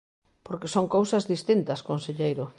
Porque son cousas distintas, conselleiro.